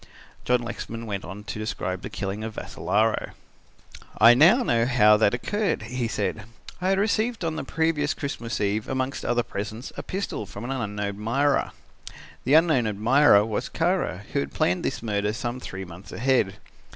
John Lexman went on to describe the killing of Vassalaro. "I know now how that occurred," he said. "I had received on the previous Christmas eve amongst other presents, a pistol from an unknown admirer. That unknown admirer was Kara, who had planned this murder some three months ahead.